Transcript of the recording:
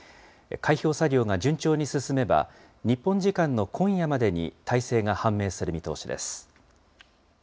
開票作業が順調に進めば、日本時間の今夜までに、大勢が判明する見通しです。